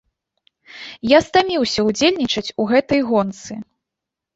Я стаміўся ўдзельнічаць у гэтай гонцы!